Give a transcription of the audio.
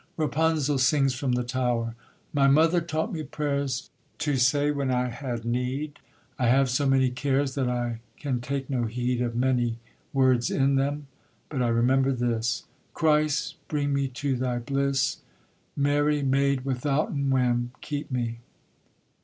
RAPUNZEL sings from the tower. My mother taught me prayers To say when I had need; I have so many cares, That I can take no heed Of many words in them; But I remember this: _Christ, bring me to thy bliss. Mary, maid withouten wem, Keep me!